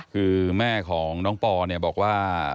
คือแม่ของน้องปอบอกว่า